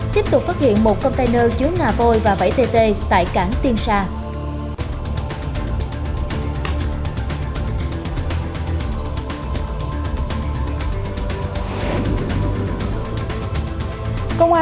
tiếp tục phát hiện một container chứa ngà vôi và vẫy tê tê tại cảng tiên sa